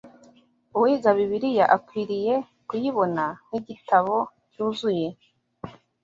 Uwiga Bibiliya akwiriye kuyibona nk’igitabo cyuzuye